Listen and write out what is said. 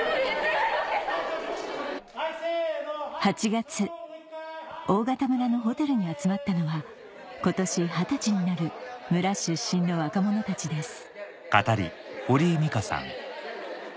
８月大潟村のホテルに集まったのは今年二十歳になる村出身の若者たちです